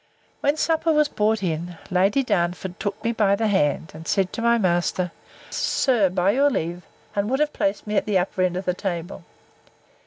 When supper was brought in, Lady Darnford took me by the hand, and said to my master, Sir, by your leave; and would have placed me at the upper end of the table.